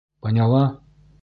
Поняла?